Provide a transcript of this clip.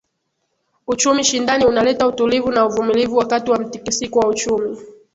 Uchumi shindani unaleta utulivu na uvumilivu wakati wa mtikisiko wa uchumi